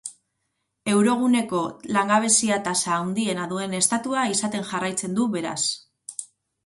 Euroguneko langabezia-tasa handiena duen estatua izaten jarraitzen du, beraz.